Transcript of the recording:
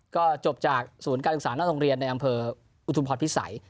ก็จบจากศูนย์การศึกษาหน้าโรงเรียนในอำเภออุทุมพรพิสัย